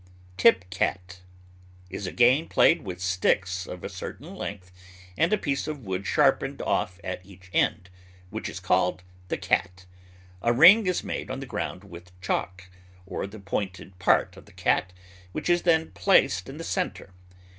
TIP CAT. Is a game played with sticks of a certain length and a piece of wood sharpened off at each end, which is called the "cat." A ring is made on the ground with chalk, or the pointed part of the cat, which is then placed in the centre.